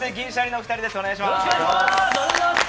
お願いします。